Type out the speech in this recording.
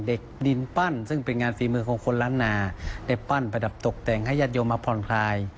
ดินปั้นซึ่งเป็นงานฝีมือของคนล้านนาได้ปั้นประดับตกแต่งให้ญาติโยมมาผ่อนคลาย